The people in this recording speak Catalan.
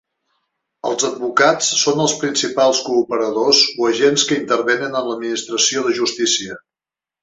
Els advocats són els principals cooperadors o agents que intervenen en l'administració de justícia.